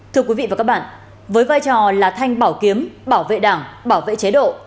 thưa quý vị và các bạn với vai trò là thanh bảo kiếm bảo vệ đảng bảo vệ chế độ